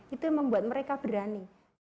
itu yang membuat mereka berani